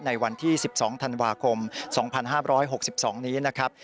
ในวันที่๑๒ธันวาคม๒๕๖๒นี้นะครับ